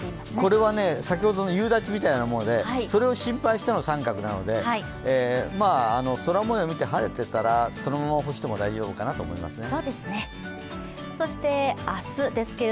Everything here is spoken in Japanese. これは、先ほどの夕立みたいなものでそれを心配しての△なので空もようを見て晴れていたらそのまま干しても大丈夫かなと思いますね。